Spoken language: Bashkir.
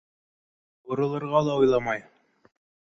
Һурылырға ла уйламай.